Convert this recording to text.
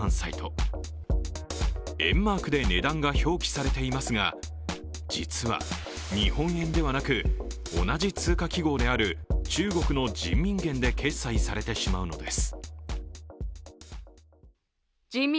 ￥マークで値段が表記されていますが、実は日本円ではなく、同じ通貨記号である中国の人民元で決済されてしまうのです。